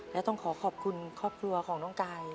และต้องขอขอบคุณครอบครัวของน้องกาย